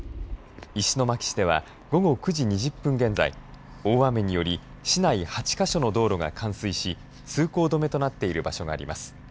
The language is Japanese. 石巻市では、午後９時２０分現在大雨により市内８か所の道路が冠水し通行止めとなっている場所があります。